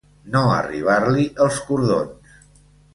No arribar-li els cordons.